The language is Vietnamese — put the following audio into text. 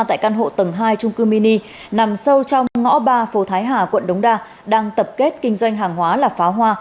tại căn hộ tầng hai trung cư mini nằm sâu trong ngõ ba phố thái hà quận đống đa đang tập kết kinh doanh hàng hóa là pháo hoa